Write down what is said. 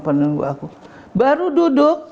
penuh dengan ibu aku baru duduk